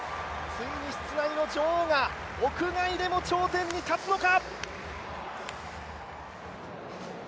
ついに室内の女王が屋外でも頂点に立つのか。